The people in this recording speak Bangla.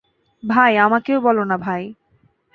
ভাই আমাকেও বলো না, ভাই।